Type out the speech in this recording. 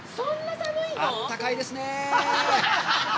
あったかいですねえ！